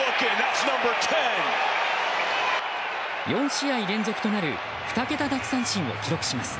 ４試合連続となる２桁奪三振を記録します。